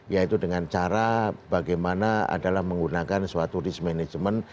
yaitu dengan cara bagaimana adalah menggunakan suatu risk management